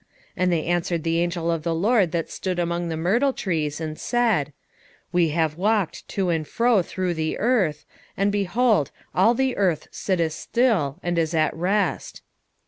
1:11 And they answered the angel of the LORD that stood among the myrtle trees, and said, We have walked to and fro through the earth, and, behold, all the earth sitteth still, and is at rest.